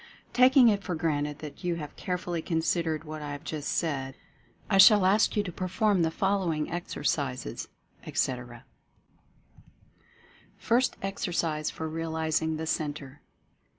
Taking it for granted that you have carefully considered what I have just said, I shall ask you to perform the fol lowing exercises, etc.: FIRST EXERCISE FOR REALIZING THE CENTRE.